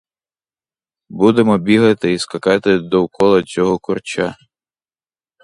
Будемо бігати і скакати довкола цього корча.